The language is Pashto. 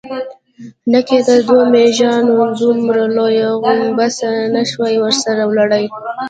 نه کېده، دوو مېږيانو دومره لويه غومبسه نه شوای ورسره وړلای.